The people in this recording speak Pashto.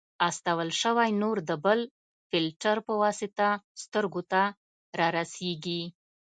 استول شوی نور د بل فلټر په واسطه سترګو ته رارسیږي.